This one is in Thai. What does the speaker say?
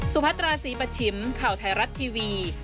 สุพัตราสีประชิมข่าวไทยรัตน์ทีวี